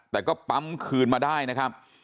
แต่ก็ปั๊มคืนมาได้นะครับ